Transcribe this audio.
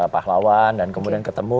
pahlawan dan kemudian ketemu